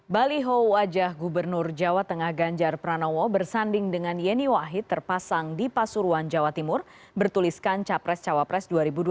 baliho wajah gubernur jawa tengah ganjar pranowo bersanding dengan yeni wahid terpasang di pasuruan jawa timur bertuliskan capres cawapres dua ribu dua puluh